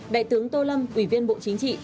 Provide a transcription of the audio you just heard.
đại tướng tô lâm ủy viên bộ chính trị